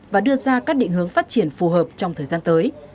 và đưa ra các định hướng phát triển phù hợp trong thời gian tới